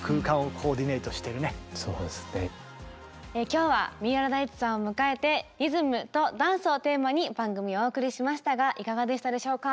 今日は三浦大知さんを迎えて「リズムとダンス」をテーマに番組をお送りしましたがいかがでしたでしょうか？